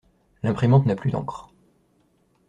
L'imprimante n'a plus d'encre.